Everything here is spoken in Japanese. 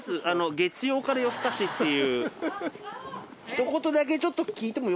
『月曜から夜ふかし』っていう。